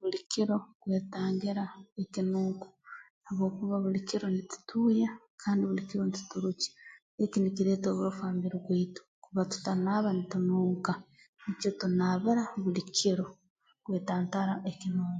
Buli kiro twetangira ekinunko habwokuba buli kiro nitutuuya kandi buli kiro ntuturukya eki nikireeta oburofa ha mubiri gwaitu kakuba tutanaaba nitununka nikyo tunaabira buli kiro kwetantara ekinunko